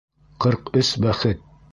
Ҡырҡ өс бәхет